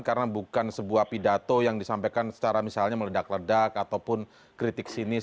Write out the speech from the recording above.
karena bukan sebuah pidato yang disampaikan secara misalnya meledak ledak ataupun kritik sinis